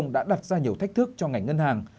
đã đặt ra nhiều thách thức cho ngành ngân hàng